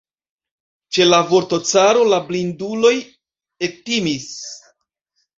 Ĉe la vorto "caro" la blinduloj ektimis.